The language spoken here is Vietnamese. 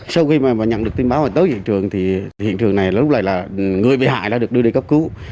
sau khi mà nhận được tin báo tới hiện trường thì hiện trường này lúc này là người bị hại đã được đưa đi cấp cứu